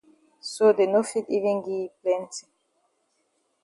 So dey no fit even gi yi plenti.